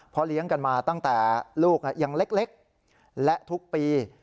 เพราะเลี้ยงกันมาตั้งแต่ลูกยังเล็กและทุกปี